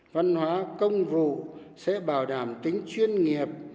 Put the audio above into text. văn hóa công vụ sẽ bảo đảm tính chuyên nghiệp